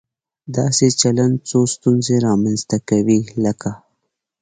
داسې چلن څو ستونزې رامنځته کوي، لکه